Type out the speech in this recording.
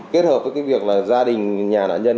kết hợp với việc gia đình nhà nạn nhân